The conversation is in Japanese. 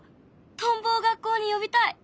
トンボを学校に呼びたい！